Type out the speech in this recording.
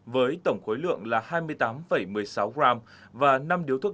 với tổng khối lượng là hai mươi tám một mươi sáu g và năm điếu thuốc